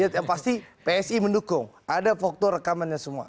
yang pasti psi mendukung ada foto rekamannya semua